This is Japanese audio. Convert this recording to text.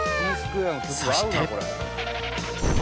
そして